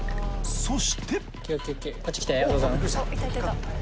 そして。